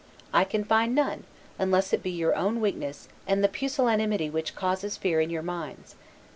I can find none, unless it be your own weakness and the pusillanimity which causes fear in your minds.